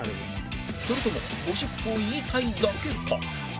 それともゴシップを言いたいだけか？